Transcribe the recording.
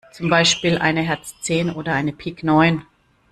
Zum Beispiel eine Herz zehn oder eine Pik neun.